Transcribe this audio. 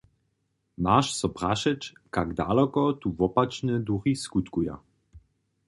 Maš so prašeć, kak daloko tu wopačne duchi skutkuja.